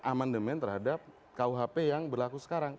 amandemen terhadap kuhp yang berlaku sekarang